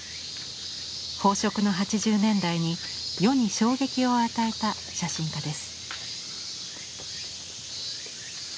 飽食の８０年代に世に衝撃を与えた写真家です。